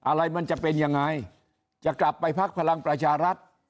อะไรมันจะเป็นยังไงจะกลับไปพักพลังประชารัฐ